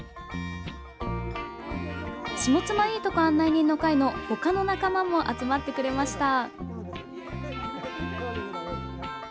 下妻いいとこ案内人の会のほかの仲間も集まってくれました。